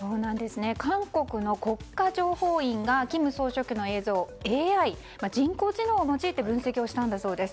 韓国の国家情報院が金総書記の映像をＡＩ・人工知能を用いて分析をしたんだそうです。